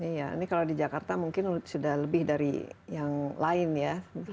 iya ini kalau di jakarta mungkin sudah lebih dari yang lain ya